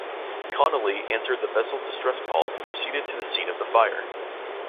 "Conolly" answered the vessel's distress call and proceeded to the scene of the fire.